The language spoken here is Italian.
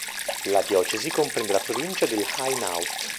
La diocesi comprende la provincia dell'Hainaut.